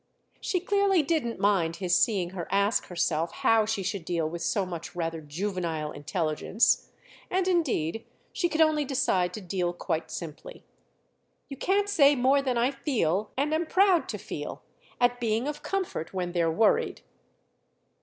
She clearly didn't mind his seeing her ask herself how she should deal with so much rather juvenile intelligence; and indeed she could only decide to deal quite simply. "You can't say more than I feel—and am proud to feel!—at being of comfort when they're worried."